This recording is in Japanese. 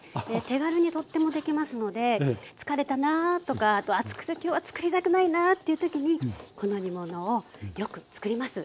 手軽にとってもできますので疲れたなとかあと暑くて今日は作りたくないなという時にこの煮物をよく作ります。